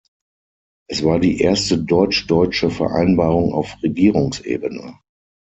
Es war die erste deutsch-deutsche Vereinbarung auf Regierungsebene.